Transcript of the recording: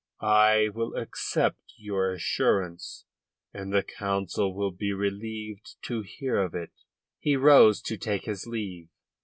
"I will accept your assurance, and the Council will be relieved to hear of it." He rose to take his leave.